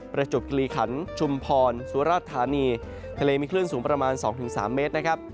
จบกิริขันชุมพรสุรธานีทะเลมีคลื่นสูงประมาณ๒๓เมตรนะครับ